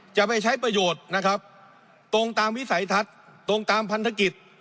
จะไม่ใช้ประโยชน์นะครับตรงตามวิสัยทัศน์ตรงตามพันธกิจ